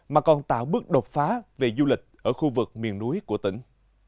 mà còn tạo bước đột phá về du lịch ở khu vực miền núi của tỉnh